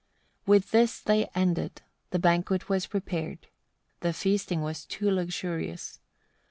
72. With this they ended; the banquet was prepared; the feasting was too luxurious.